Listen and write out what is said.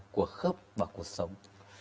của khớp và cuộc sống